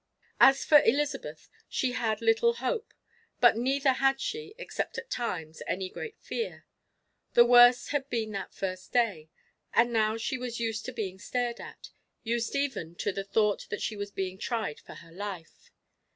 As for Elizabeth, she had little hope; but neither had she, except at times, any great fear. The worst had been that first day, and now she was used to being stared at; used even to the thought that she was being tried for her life.